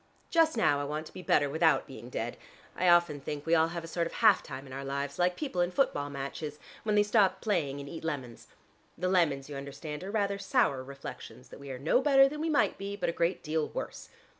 Just now I want to be better without being dead. I often think we all have a sort of half time in our lives, like people in foot ball matches, when they stop playing and eat lemons. The lemons, you understand, are rather sour reflections that we are no better than we might be, but a great deal worse.